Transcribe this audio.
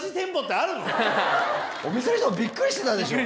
お店の人びっくりしてたでしょ。